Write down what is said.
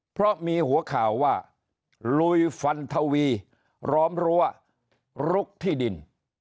เพราะมีหัวข่าวว่าลุยฟันทวีร้อมรั้วลุกที่ดิน